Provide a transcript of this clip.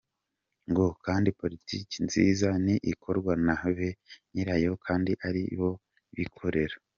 Ngo kandi politiki nziza ni ikorwa na ba nyirayo kandi ari bo bikorera.